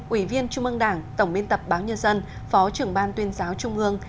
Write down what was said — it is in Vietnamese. ủy viên trung ương đảng tổng biên tập báo nhân dân phó trưởng ban tuyên giáo trung ương